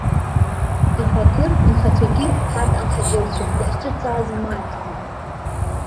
Аха аҭырқә нхацәагьы ҳарҭ амҳаџьырқәа иаҳҿырҵааз маҷӡам!